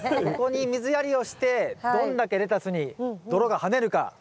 ここに水やりをしてどんだけレタスに泥が跳ねるか。